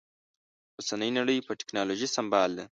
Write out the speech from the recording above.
اوسنۍ نړۍ په ټکنالوژي سمبال ده